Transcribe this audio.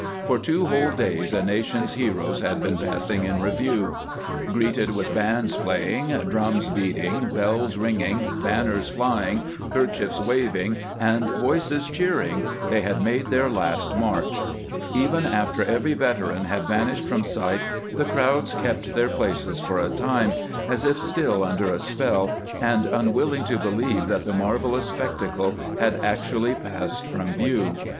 For two whole days a nation's heroes had been passing in review. Greeted with bands playing, drums beating, bells ringing, banners flying, kerchiefs waving, and voices cheering, they had made their last march. Even after every veteran had vanished from sight the crowds kept their places for a time, as if still under a spell and unwilling to believe that the marvelous spec tacle had actually passed from view.